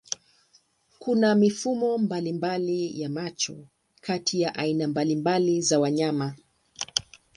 Kuna mifumo mbalimbali ya macho kati ya aina mbalimbali za wanyama.